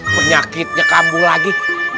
penyakitnya kamu lagi